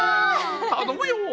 頼むよ！